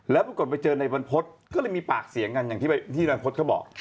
แล้วปรากฏไปเจอในบรรพฤษก็เลยมีปากเสียงกันอย่างที่บรรพฤษเขาบอก